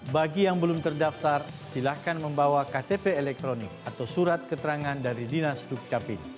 bagi yang belum terdaftar silahkan membawa ktp elektronik atau surat keterangan dari dinas dukcapil